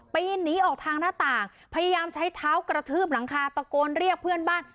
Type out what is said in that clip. ปีนหนีออกทางหน้าต่างพยายามใช้เท้ากระทืบหลังคาตะโกนเรียกเพื่อนบ้าน